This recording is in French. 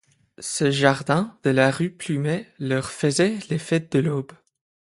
Ce jardin de la rue Plumet leur faisait l'effet de l'aube.